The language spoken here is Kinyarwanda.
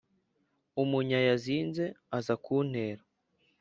umunya yazinze aza kuntera.